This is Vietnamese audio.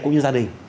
cũng như gia đình